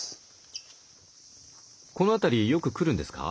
この辺りよく来るんですか？